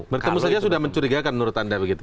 bertemu saja sudah mencurigakan menurut anda begitu